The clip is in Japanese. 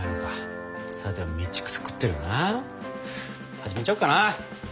始めちゃおうかな。